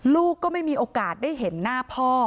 ลูกก็ไม่มีโอกาสได้เห็นหน้าพ่อ